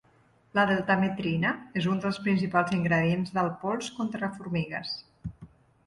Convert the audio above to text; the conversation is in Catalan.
La deltametrina és un dels principals ingredients del pols contra formigues.